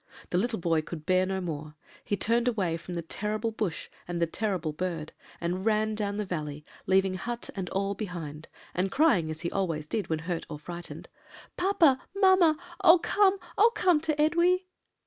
The little boy could bear no more; he turned away from the terrible bush and the terrible bird, and ran down the valley, leaving hut and all behind, and crying, as he always did when hurt or frightened, 'Papa! mamma! Oh, come, oh, come to Edwy!'